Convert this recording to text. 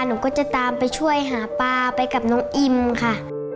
หนูก็จะตามไปช่วยหาปลาไปกับน้องอิ่มค่ะ